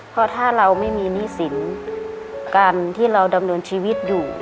เพราะถ้าเราไม่มีหนี้สินการที่เราดำเนินชีวิตอยู่